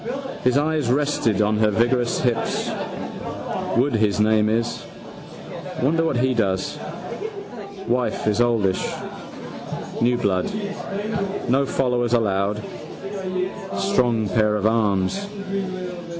His eyes rested on her vigorous hips. Woods his name is. Wonder what he does. Wife is oldish. New blood. No followers allowed. Strong pair of arms.